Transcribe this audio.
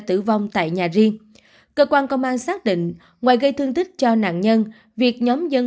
tử vong tại nhà riêng cơ quan công an xác định ngoài gây thương tích cho nạn nhân việc nhóm dân